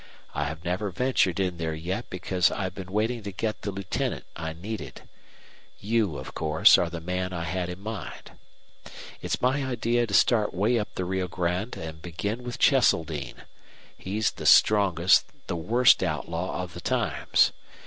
I have never ventured in there yet because I've been waiting to get the lieutenant I needed. You, of course, are the man I had in mind. It's my idea to start way up the Rio Grande and begin with Cheseldine. He's the strongest, the worst outlaw of the times.